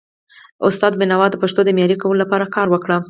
استاد بینوا د پښتو د معیاري کولو لپاره کار وکړ.